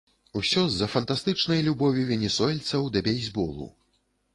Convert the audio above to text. Усё з-за фантастычнай любові венесуэльцаў да бейсболу.